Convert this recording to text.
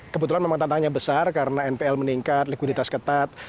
kebetulan memang tantangannya besar karena npl meningkat likuiditas ketat